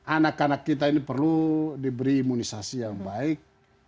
anak anak kita ini perlu diberi imunisasi yang baik